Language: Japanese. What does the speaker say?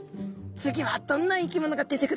次はどんな生き物が出てくると思いますか？